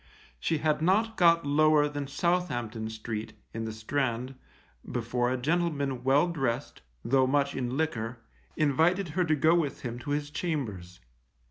She had not got lower than Southampton Street, in the Strand, before a gentleman well dressed, though much in liquor, invited her to go with him to his chambers.